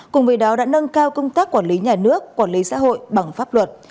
cùng với đó đã nâng cao công tác quản lý nhà nước quản lý xã hội bằng pháp luật